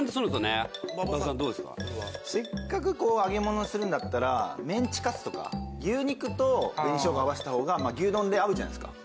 せっかく揚げ物にするんだったらメンチカツとか牛肉と紅しょうが合わせた方が牛丼で合うじゃないですか。